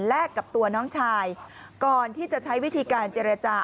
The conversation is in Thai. กับตัวน้องชายก่อนที่จะใช้วิธีการเจรจา